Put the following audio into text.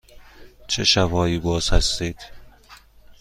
چه شب هایی باز هستید؟